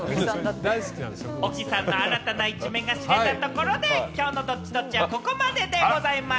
小木さんの新たな一面が知れたところで、今日のＤｏｔｔｉ‐Ｄｏｔｔｉはここまででございます。